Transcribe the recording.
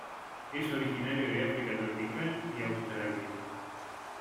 Es originario de África tropical y Australia.